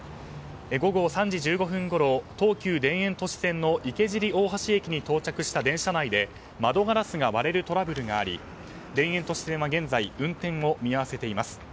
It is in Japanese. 午後３時１５分ごろ東急田園都市線の池尻大橋駅に到着した電車内で窓ガラスが割れるトラブルがあり田園都市線は現在運転を見合わせています。